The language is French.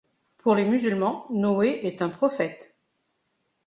Pour les musulmans, Noé est un prophète.